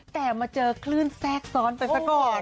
แต่มาเจอคลื่นแทรกซ้อนไปซะก่อน